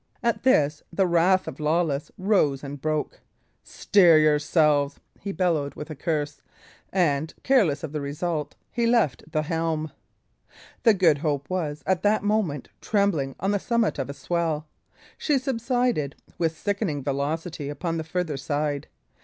At this the wrath of Lawless rose and broke. "Steer yourselves," he bellowed, with a curse; and, careless of the result, he left the helm. The Good Hope was, at that moment, trembling on the summit of a swell. She subsided, with sickening velocity, upon the farther side.